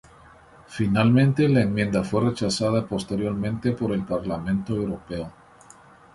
Finalmente, la enmienda fue rechazada posteriormente por el Parlamento Europeo.